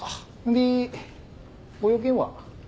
でご用件は？